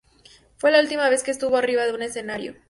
Fue la última vez que estuvo arriba de un escenario.